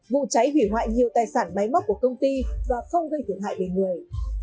vụ cháy hủy hoại nhiều tài sản máy móc của công ty do không gây thiệt hại đến người